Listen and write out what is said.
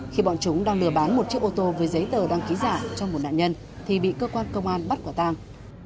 khi bọn chúng đang lừa bán một chiếc ô tô với giấy tờ đăng ký giả cho một nạn nhân thì bị cơ quan công an bắt quả tàng